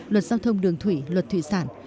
luật giao thông đường thủy luật thủy sản